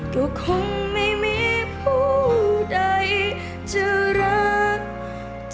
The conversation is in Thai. ก็คงไม่มีเพราะใดจะรัก